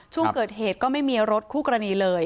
ช่วงเกิดเหตุก็ไม่มีรถคู่กรณีเลย